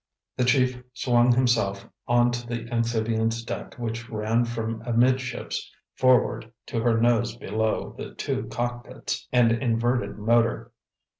The Chief swung himself on to the amphibian's deck which ran from amidships forward to her nose below the two cockpits and inverted motor.